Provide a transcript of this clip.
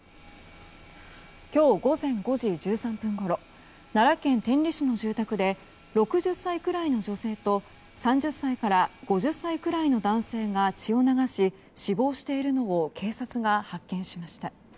今日午前５時１３分ごろ奈良県天理市の住宅で６０歳くらいの女性と３０歳から６０歳くらいの男性が血を流し死亡しているのを警察が発見しました。